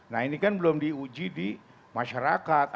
nah ini kan belum diuji di masyarakat